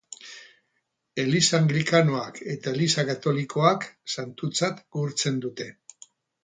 Eliza Anglikanoak eta Eliza Katolikoak santutzat gurtzen dute.